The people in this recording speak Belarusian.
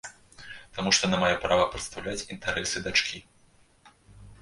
Таму што яна мае права прадстаўляць інтарэсы дачкі.